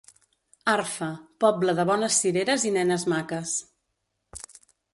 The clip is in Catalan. Arfa, poble de bones cireres i nenes maques.